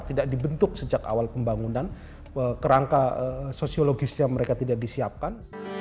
tidak dibentuk sejak awal pembangunan kerangka sosiologisnya mereka tidak disiapkan